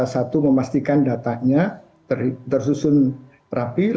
satu memastikan datanya tersusun rapi